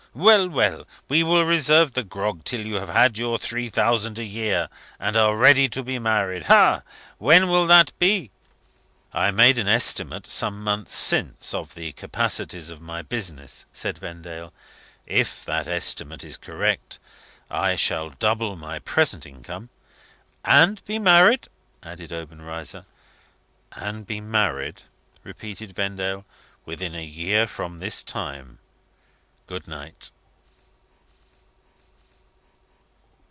Well! well! we will reserve the grog till you have your three thousand a year, and are ready to be married. Aha! When will that be?" "I made an estimate, some months since, of the capacities of my business," said Vendale. "If that estimate is correct, I shall double my present income " "And be married!" added Obenreizer. "And be married," repeated Vendale, "within a year from this time. Good night."